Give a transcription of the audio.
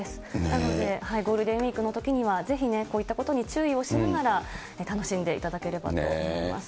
なので、ゴールデンウィークのときには、ぜひね、こういったことに注意をしながら、楽しんでいただければと思います。